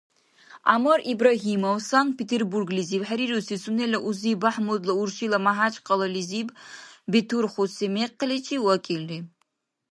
ГӀямар Ибрагьимов Санкт-Петербурглизив хӀерируси сунела узи БяхӀмудла уршила МяхӀячкъалализиб бетурхуси мекъличи вакӀилри.